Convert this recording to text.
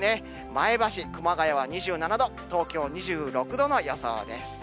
前橋、熊谷は２７度、東京２６度の予想です。